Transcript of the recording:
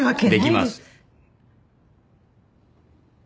できます。